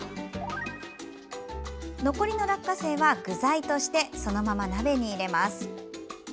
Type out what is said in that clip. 残りの落花生は具材としてそのまま鍋に入れます。